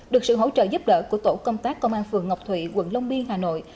được sự hỗ trợ giúp đỡ của tổ công tác công an phường ngọc thụy quận long biên hà nội